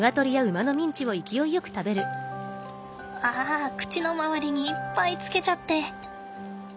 あ口の周りにいっぱいつけちゃって。